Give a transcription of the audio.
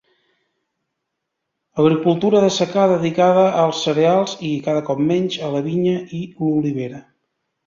Agricultura de secà dedicada als cereals i, cada cop menys, a la vinya i l'olivera.